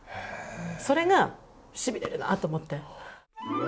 それがしびれるなと思って。